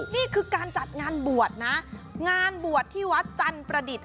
นี่คือการจัดงานบวชนะงานบวชที่วัดจันประดิษฐ์